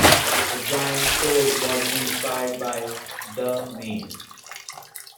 The giant toad was inspired by "The Maze".